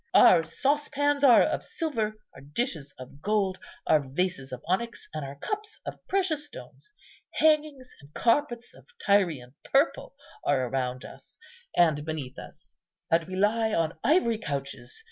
Our saucepans are of silver, our dishes of gold, our vases of onyx, and our cups of precious stones. Hangings and carpets of Tyrian purple are around us and beneath us, and we lie on ivory couches.